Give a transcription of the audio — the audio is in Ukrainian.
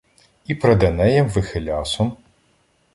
І пред Енеєм вихилясом